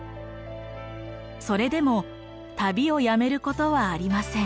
それでも旅をやめることはありません。